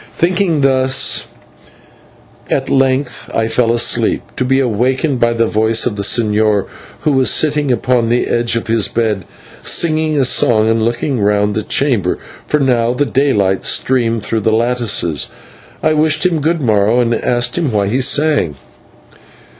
Thinking thus, at length I fell asleep, to be awakened by the voice of the señor, who was sitting upon the edge of his bed, singing a song and looking round the chamber, for now the daylight streamed through the lattice. I wished him good morrow, and asked him why he sang.